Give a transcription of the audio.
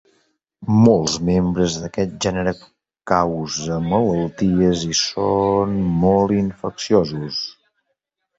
Molts membres d’aquest gènere cause malalties i són molt infecciosos.